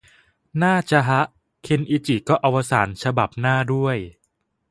น่าจะฮะ เคนอิจิก็อวสานฉบับหน้าด้วย